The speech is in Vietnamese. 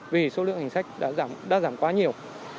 vì số lượng hành sách đã giảm quá nhiều